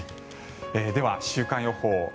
では、週間予報。